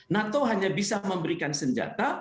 nato hanya bisa memberikan senjata